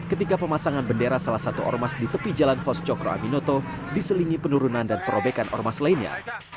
ketika pemasangan bendera salah satu ormas di tepi jalan hos cokro aminoto diselingi penurunan dan perobekan ormas lainnya